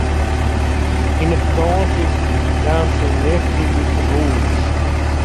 Yn de fakânsje kaam syn nichtsje útfanhûs.